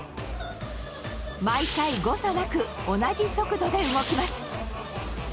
毎回誤差なく同じ速度で動きます。